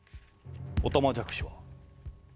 オタマジャクシは？